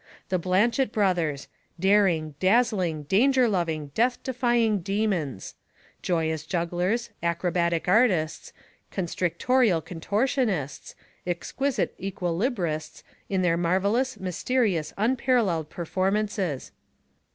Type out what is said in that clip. The Blanchet Brothers Daring, Dazzling, Danger Loving, Death Defying Demons Joyous jugglers, acrobatic artists, constrictorial contortionists, exquisite equilibrists, in their marvellous, mysterious, unparalleled performances.